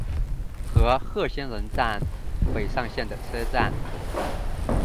和贺仙人站北上线的车站。